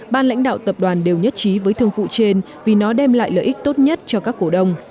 ban lãnh đạo tập đoàn đều nhất trí với thương vụ trên vì nó đem lại lợi ích tốt nhất cho các cổ đông